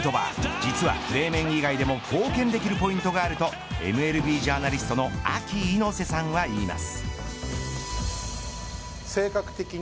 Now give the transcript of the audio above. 実はプレー面以外でも貢献できるポイントがあるとＭＬＢジャーナリストのＡＫＩ猪瀬さんは言います。